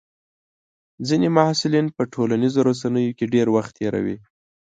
ځینې محصلین په ټولنیزو رسنیو کې ډېر وخت تېروي.